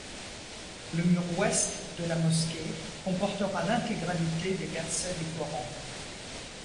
Le mur ouest de la mosquée comportera l'intégralité des versets du Coran.